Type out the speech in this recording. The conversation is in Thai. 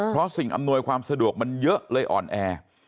เพราะสิ่งอำนวยความสะดวกมันเยอะเลยอ่อนแอ